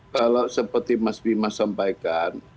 kalau seperti mas bima sampaikan